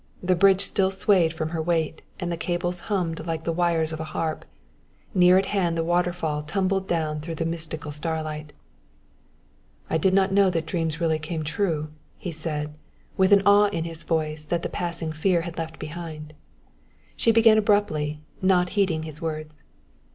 The bridge still swayed from her weight; and the cables hummed like the wires of a harp; near at hand the waterfall tumbled down through the mystical starlight. "I did not know that dreams really came true," he said, with an awe in his voice that the passing fear had left behind. She began abruptly, not heeding his words.